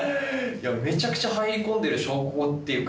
めちゃくちゃ入り込んでる証拠っていうか